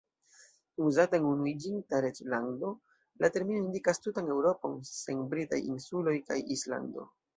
Uzata en Unuiĝinta Reĝlando, la termino indikas tutan Eŭropon, sen Britaj Insuloj kaj Islando.